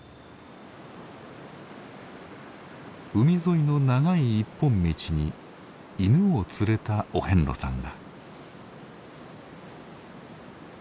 海沿いの長い一本道に犬を連れたお遍路さんが。